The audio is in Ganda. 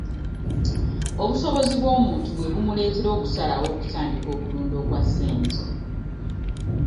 Obusobozi bw'omuntu bwe bumuleetera okusalawo okutandika okulunda okwa ssente.